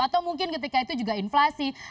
atau mungkin ketika itu juga inflasi